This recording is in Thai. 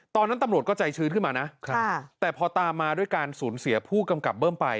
ตอนนั้นตำรวจก็ใจชื้นขึ้นมานะแต่พอตามมาด้วยการสูญเสียผู้กำกับเบิ้มไป